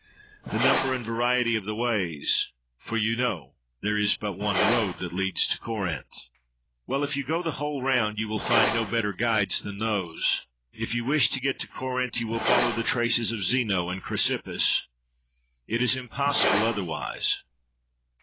—The number and variety of the ways! For you know, There is but one road that leads to Corinth. —Well! If you go the whole round, you will find no better guides than those. If you wish to get to Corinth, you will follow the traces of Zeno and Chrysippus. It is impossible otherwise.